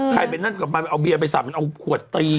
ใครเป็นนั้นเขากับมันเอาเบียนไปสั่งมันเอาปั่วติด